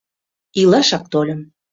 — Илашак тольым.